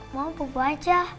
mama bubu aja